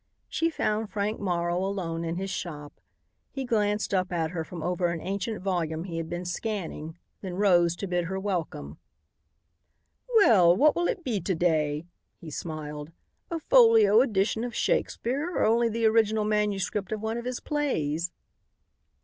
She found Frank Morrow alone in his shop. He glanced up at her from over an ancient volume he had been scanning, then rose to bid her welcome. "Well, what will it be to day?" he smiled. "A folio edition of Shakespeare or only the original manuscript of one of his plays?"